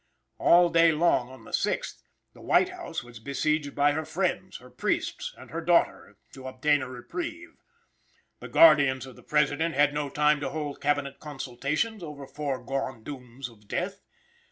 All day long, on the 6th, the White House was besieged by her friends, her priests and her daughter, to obtain a reprieve. The guardians of the President had no time to hold Cabinet consultations over foregone dooms of death.